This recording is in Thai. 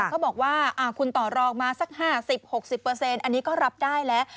เขาบอกว่าคุณต่อรองมาสัก๕๐๖๐อันนี้ก็รับได้แล้ว